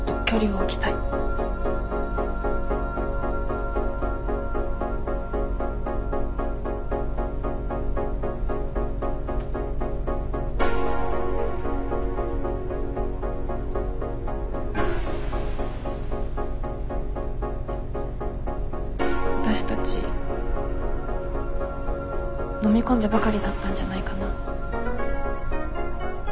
わたしたち飲み込んでばかりだったんじゃないかな。